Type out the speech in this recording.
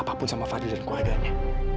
apapun sama fadli dan keluarganya